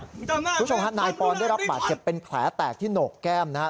คุณผู้ชมฮะนายปอนได้รับบาดเจ็บเป็นแผลแตกที่โหนกแก้มนะฮะ